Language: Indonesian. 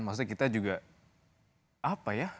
maksudnya kita juga apa ya